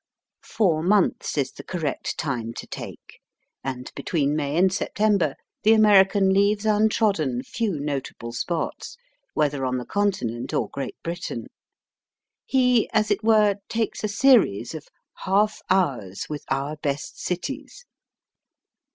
Four months is the correct time to take, and between May and September the American leaves untrodden few notable spots, whether on the Continent or Great Britain. He, as it were, takes a series of "Half Hours with Our Best Cities."